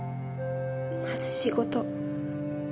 まず仕事。